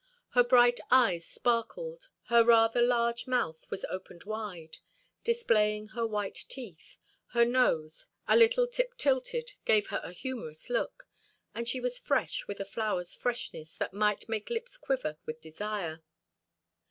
Her bright eyes sparkled; her rather large mouth was opened wide, displaying her white teeth; her nose, a little tip tilted, gave her a humorous look; and she was fresh, with a flower's freshness that might make lips quiver with desire.